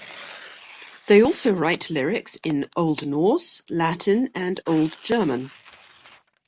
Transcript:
They also write lyrics in Old Norse, Latin, and Old German.